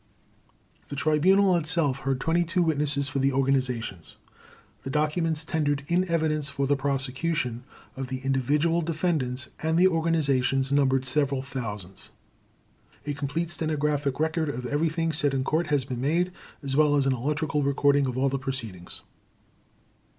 The Tribunal itself heard 22 witnesses for the organizations. The documents tendered in evidence for the Prosecution of the individual defendants and the organizations numbered several thousands. A complete stenographic record of everything said in Court has been made, as well as an electrical recording of all the proceedings.